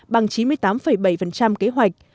bằng chín mươi tám bảy kế hoạch